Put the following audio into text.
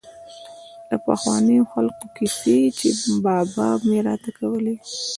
لکه د پخوانو خلقو کيسې چې بابا مې راته کولې.